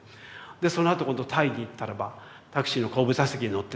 でそのあと今度タイに行ったらばタクシーの後部座席に乗ってて。